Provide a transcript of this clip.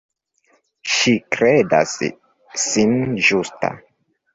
Ŝi kredas sin ĝusta.